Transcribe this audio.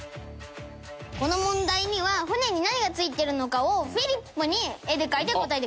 この問題には船に何が付いてるのかをフリップに絵で描いて答えてください。